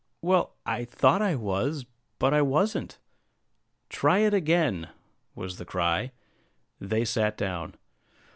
"Well, I thought I was; but I wasn't." "Try it again," was the cry. They sat down.